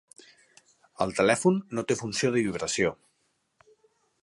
El telèfon no té funció de vibració.